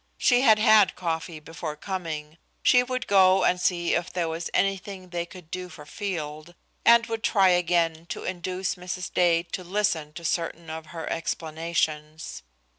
She had had coffee before coming. She would go and see if there was anything they could do for Field, and would try again to induce Mrs. Dade to listen to certain of her explanations.